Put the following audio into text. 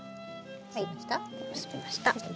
はい結びました。